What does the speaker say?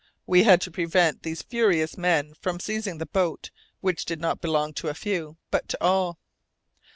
We had to prevent these furious men from seizing the boat, which did not belong to a few, but to all!